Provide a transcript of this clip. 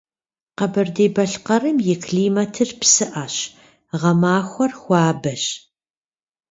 Къэбэрдей-Балъкъэрым и климатыр псыӏэщ, гъэмахуэр хуабэщ.